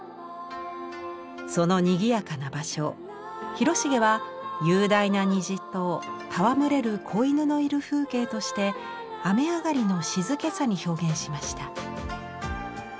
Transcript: そのにぎやかな場所を広重は雄大な虹と戯れる子犬のいる風景として雨上がりの静けさに表現しました。